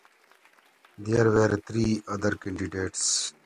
There were three other candidates.